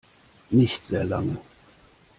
Nicht sehr lange.